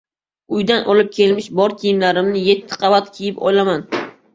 Uydan olib kelmish bor kiyimlarimni yetti qabat kiyib olaman.